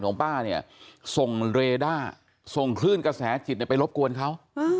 มีกล้องเรด้าส่งคลื่นกระแสจิตไปรบกวนเขา